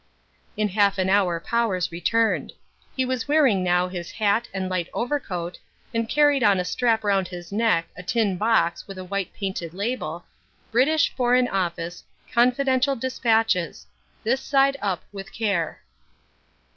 In half an hour Powers returned. He was wearing now his hat and light overcoat, and carried on a strap round his neck a tin box with a white painted label, "_British Foreign Office. Confidential Despatches. This Side Up With Care.